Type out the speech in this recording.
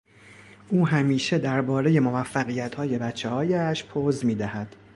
او همیشه دربارهی موفقیتهای بچههایش پز میدهد.